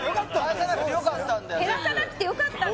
返さなくてよかったんだよ